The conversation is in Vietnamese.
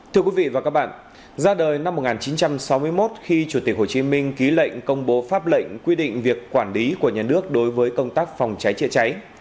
thưa quý vị và các bạn ra đời năm một nghìn chín trăm sáu mươi một khi chủ tịch hồ chí minh ký lệnh công bố pháp lệnh quy định việc quản lý của nhà nước đối với công tác phòng cháy chữa cháy